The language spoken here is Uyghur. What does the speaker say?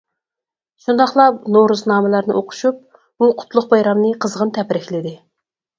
شۇنداقلا، نورۇزنامىلەرنى ئوقۇشۇپ، بۇ قۇتلۇق بايرامنى قىزغىن تەبرىكلىدى.